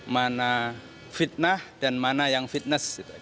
mana fitnah dan mana yang fitness